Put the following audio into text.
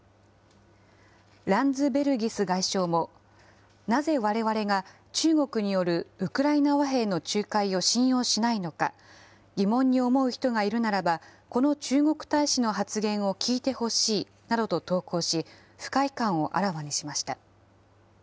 ランズベルギス外相も、なぜわれわれが中国によるウクライナ和平の仲介を信用しないのか、疑問に思う人がいるならば、この中国大使の発言を聞いてほしいなどと投稿し、不快感をあらわにしました。